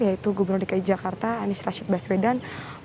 yaitu gubernur dki jakarta anies rashid baswedan